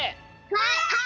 はい！